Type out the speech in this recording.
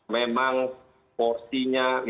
memang porsinya lima belas tahun lalu